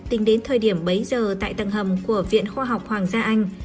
tính đến thời điểm bấy giờ tại tầng hầm của viện khoa học hoàng gia anh